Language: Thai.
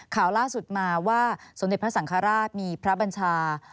ข่าวล่าสุดมาว่าสมเด็จพระสังฆราชมีพระบัญชา